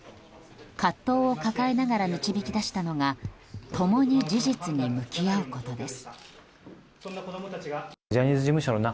葛藤を抱えながら導き出したのが共に事実に向き合うことです。